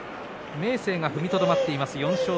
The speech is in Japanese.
明生が踏みとどまっています。